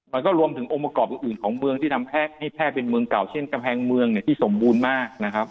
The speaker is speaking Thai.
มันก็รวมถึงองค์ประกอบอื่นของเมืองที่ทำให้แพร่เป็นเมืองเก่าเช่นกำแพงเมืองที่สมบูรณ์มากนะครับ